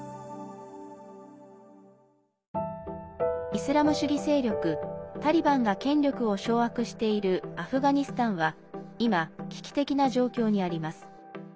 イスラム主義勢力タリバンが権力を掌握しているアフガニスタンは今、危機的な状況にあります。